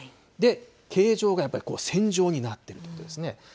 形状がやっぱり線状になってるということですね。